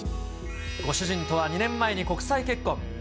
ご主人とは２年前に国際結婚。